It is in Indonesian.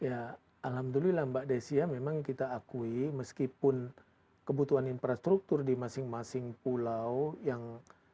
ya alhamdulillah mbak desia memang kita akui meskipun kebutuhan infrastruktur di masing masing pulau yang